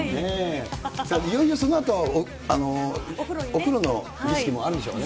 さあ、いよいよそのあとは、お風呂の儀式もあるんでしょうね。